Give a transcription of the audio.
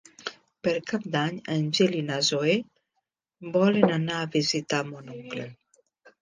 Per Cap d'Any en Gil i na Zoè volen anar a visitar mon oncle.